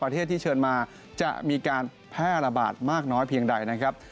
ประเทศที่เชิญมาจะมีการแพร่ระบาดมากน้อยเพียงใดนะครับ